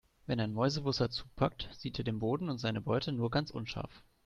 Wenn ein Mäusebussard zupackt, sieht er den Boden und seine Beute nur ganz unscharf.